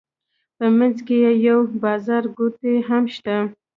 په منځ کې یې یو بازارګوټی هم شته.